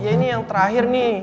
ya ini yang terakhir nih